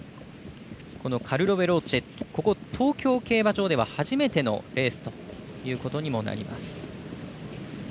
このカルロヴェローチェ東京競馬場では初めてのレースということにもなります。